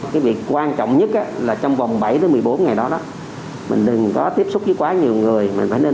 cái việc quan trọng nhất là trong vòng bảy một mươi bốn ngày đó mình đừng có tiếp xúc với quá nhiều người